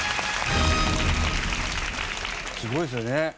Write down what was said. すごいですよね。